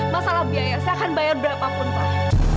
masalah biaya saya akan bayar berapapun pak